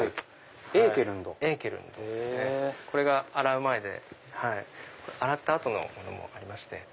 これが洗う前で洗った後のものもありまして。